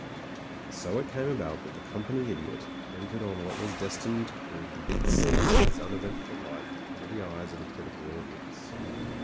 And so it came about that the Company Idiot entered on what was destined to prove the big scene in his uneventful life under the eyes of a critical audience.